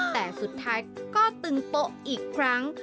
แต่สุดท้ายก็ตึงโต๊ะอีกครั้ง